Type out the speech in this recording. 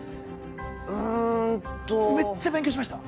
うんとめっちゃ勉強しました？